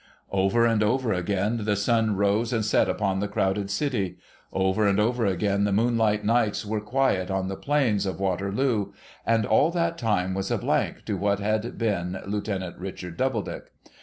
Over and over again the sun rose and set upon the crowded city ; over and over again the moonlight nights were quiet on the plains of Waterloo : and all that time was a blank to what had been Lieutenant Richard Doubledick.